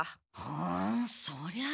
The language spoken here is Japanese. ふんそりゃ